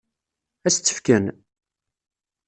Ad s-tt-fken?